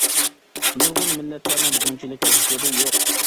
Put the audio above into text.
نۇرغۇن مىللەتلەرنىڭ بۇنچىلىك رەھبىرى يوق.